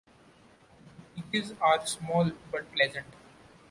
The beaches are small but pleasant.